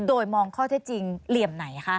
โดยมองข้อเท็จจริงเหลี่ยมไหนคะ